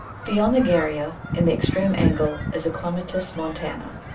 Beyond the Garrya, in the extreme angle, is a Clematis montana.